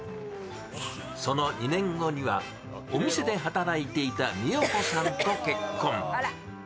その２年後にはお店で働いていた美代子さんと結婚。